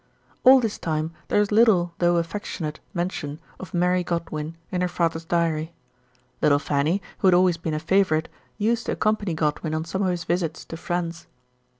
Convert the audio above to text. All this time there is little though affectionate mention of Mary Godwin in her father's diary. Little Fanny, who had always been a favourite, used to accom pany Godwin on some of his visits to friends.